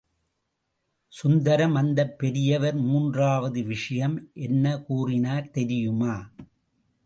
சுந்தரம் அந்தப் பெரியவர் மூன்றாவது விஷயம் என்ன கூறினார் தெரியுமா?